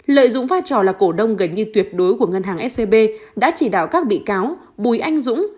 lợi dụng vai trò là cổ đông gần như tuyệt đối của ngân hàng scb đã chỉ đạo các bị cáo bùi anh dũng